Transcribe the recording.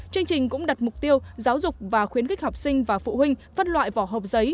chương trình cũng đặt mục tiêu giáo dục và khuyến khích học sinh và phụ huynh phân loại vỏ hộp giấy